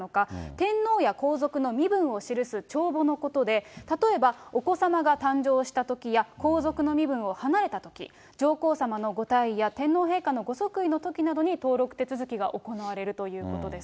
天皇や皇族の身分を記す帳簿のことで、例えばお子様が誕生したときや皇族の身分を離れたとき、上皇さまのご退位や天皇陛下のご即位のときなどに登録手続きが行われるということです。